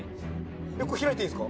これ開いていいですか？